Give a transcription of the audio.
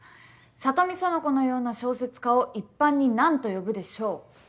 里見苑子のような小説家を一般に何と呼ぶでしょう？